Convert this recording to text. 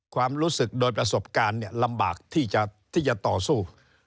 ความรู้สึกโดยประสบการณ์ลำบากที่จะต่อสู้